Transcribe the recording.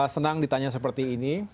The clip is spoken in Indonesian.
senang ditanya seperti ini